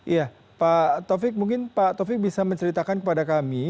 iya pak taufik mungkin pak taufik bisa menceritakan kepada kami